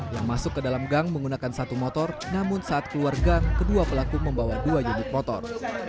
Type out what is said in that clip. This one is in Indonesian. yang masuk ke dalam gang menggunakan satu motor namun saat keluar gang kedua pelaku membawa dua unit motor